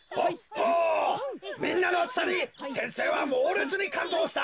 みんなのあつさに先生はもうれつにかんどうした。